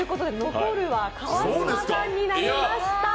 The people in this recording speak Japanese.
残るは川島さんになりました。